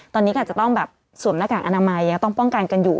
ตอนนี้ก็อาจจะต้องแบบสวมหน้ากากอนามัยยังต้องป้องกันกันอยู่